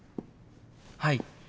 はい。